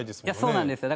そうなんですよ。